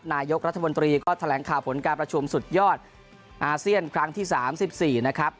นายกรัฐมนตรีก็แถลงข่าวผลการประชุมสุดยอดอาเซียนครั้งที่๓๔นะครับ